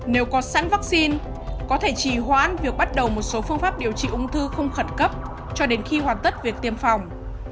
nếu có sẵn vaccine có thể trì hoãn việc bắt đầu một số phương pháp điều trị ung thư không khẩn cấp cho đến khi hoàn tất việc tiêm phòng